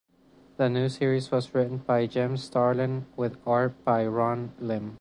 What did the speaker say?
The new series was written by Jim Starlin with art by Ron Lim.